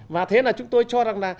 và thế là chúng tôi cho rằng là